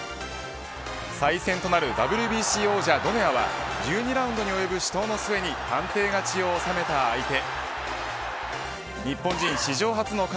再戦となるＷＢＣ王者ドネアは１２ラウンドに及ぶ死闘の末判定勝ちを収めた相手。